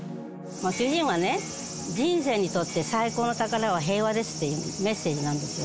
主人はね、人生にとって最高の宝は平和ですっていうのがメッセージなんですよ。